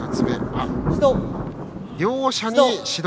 両者に指導